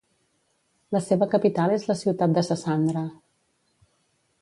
La seva capital és la ciutat de Sassandra.